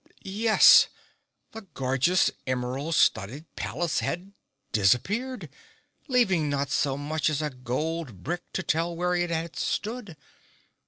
Yes, the gorgeous emerald studded palace had disappeared, leaving not so much as a gold brick to tell where it had stood.